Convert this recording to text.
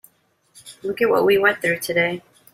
Look at what we went through today.